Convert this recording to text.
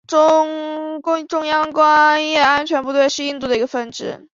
中央工业安全部队是印度一个分支。